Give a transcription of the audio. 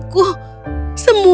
bagaitu ini keinginanmu